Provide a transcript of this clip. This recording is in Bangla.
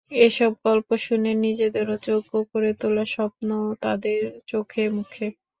এসব গল্প শুনে নিজেদেরও যোগ্য করে তোলার স্বপ্ন তাদের চোখে মুখে।